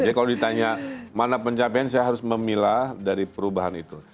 jadi kalau ditanya mana pencapaian saya harus memilah dari perubahan itu